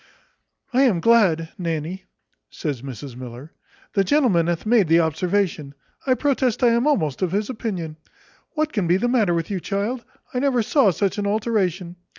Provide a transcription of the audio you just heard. "I am glad, Nanny," says Mrs Miller, "the gentleman hath made the observation; I protest I am almost of his opinion. What can be the matter with you, child? I never saw such an alteration.